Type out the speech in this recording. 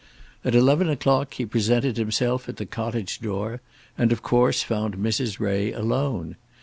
At eleven o'clock he presented himself at the cottage door, and, of course, found Mrs. Ray alone.